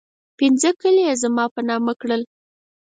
پنځه کلي یې زما په نامه کړل.